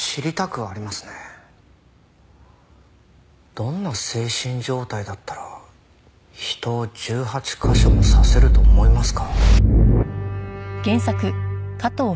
どんな精神状態だったら人を１８カ所も刺せると思いますか？